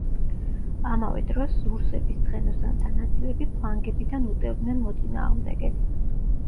ამავე დროს რუსების ცხენოსანთა ნაწილები ფლანგებიდან უტევდნენ მოწინააღმდეგეს.